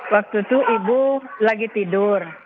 waktu itu ibu lagi tidur